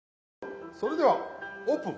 それではオープン！